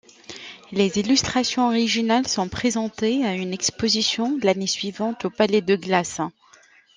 Les illustrations originales sont présentées à une exposition l’année suivante au palais de Glace.